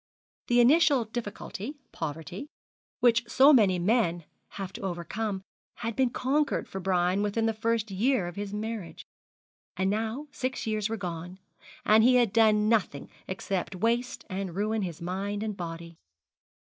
The initial difficulty poverty, which so many men have to overcome, had been conquered for Brian within the first year of his marriage. And now six years were gone, and he had done nothing except waste and ruin his mind and body.